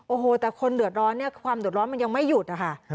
โอ้โหแต่คนเดือดร้อนเนี่ยความเดือดร้อนมันยังไม่หยุดนะคะ